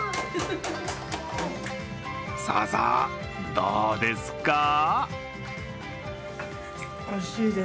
さあさあ、どうですか？